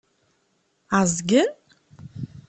Ɛeẓgen?